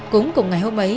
cũng cùng ngày hôm ấy